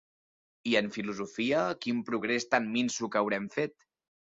I en filosofia, quin progrés tan minso que haurem fet!